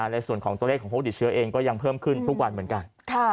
ในส่วนของตัวเลขของผู้ติดเชื้อเองก็ยังเพิ่มขึ้นทุกวันเหมือนกัน